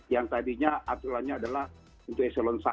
yang tadinya aturannya adalah untuk eselon satu